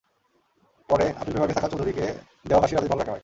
পরে আপিল বিভাগেও সাকা চৌধুরীকে দেওয়া ফাঁসির আদেশ বহাল রাখা হয়।